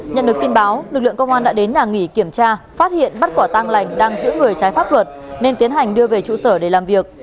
nhận được tin báo lực lượng công an đã đến nhà nghỉ kiểm tra phát hiện bắt quả tang lành đang giữ người trái pháp luật nên tiến hành đưa về trụ sở để làm việc